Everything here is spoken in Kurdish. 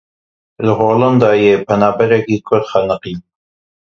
Li Holandayê penaberekî Kurd xeniqî.